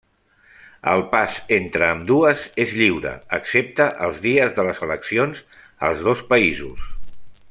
El pas entre ambdues és lliure excepte els dies de les eleccions als dos països.